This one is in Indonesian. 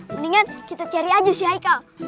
mendingan kita cari saja si haikal